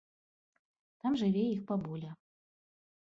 Там жыве іх бабуля.